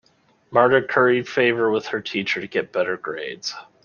Marta curry favored with her teacher to get better grades.